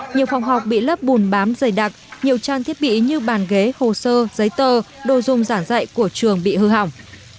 nhiều phòng học bị lớp bùn bám dày đặc nhiều trang thiết bị như bàn ghế hồ sơ giấy tờ đồ dùng giảng dạy của trường bị hư hỏng